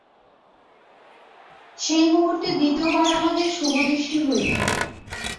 সেই মুহূর্তে দ্বিতীয়বার আমাদের শুভদৃষ্টি হইবে।